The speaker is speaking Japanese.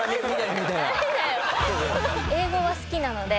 英語は好きなので。